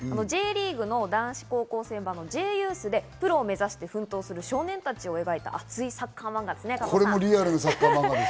Ｊリーグの男子高校生版のＪユースでプロを目指して奮闘する少年たちをこれもリアルなサッカーマンガですよ。